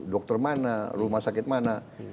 dokter mana rumah sakit mana